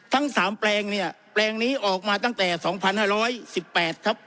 ทั้งสามแปลงเนี่ยแปลงนี้ออกมาตั้งแต่สองพันห้าร้อยสิบแปดครับ